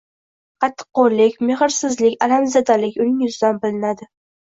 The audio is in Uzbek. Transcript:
Qattiqqo`llik, mehrsizlik, alamzadalik uning yuzidan bilinadi